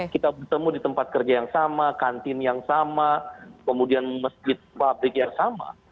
kita bertemu di tempat kerja yang sama kantin yang sama kemudian masjid pabrik yang sama